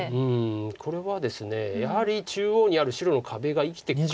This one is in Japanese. これはですねやはり中央にある白の壁が生きてくるんですよね